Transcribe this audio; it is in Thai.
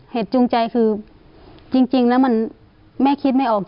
เหตุจูงใจคือจริงแล้วแม่คิดไม่ออก